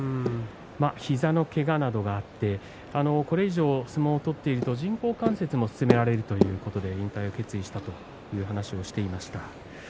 膝のけがなどもあってこれ以上相撲を取っていると人工関節も勧められるということで引退を決めたという話をしていました。